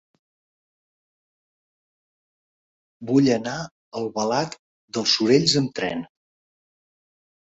Vull anar a Albalat dels Sorells amb tren.